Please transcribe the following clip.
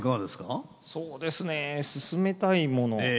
そうですねすすめたいもの。